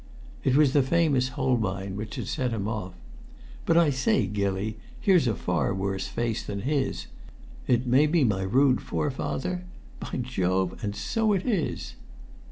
It was the famous Holbein which had set him off. "But I say, Gilly, here's a far worse face than his. It may be my rude forefather; by Jove, and so it is!"